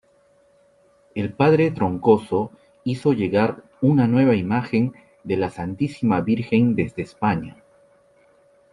El padre Troncoso hizo llegar una nueva imagen de la Santísima Virgen desde España.